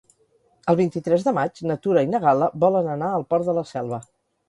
El vint-i-tres de maig na Tura i na Gal·la volen anar al Port de la Selva.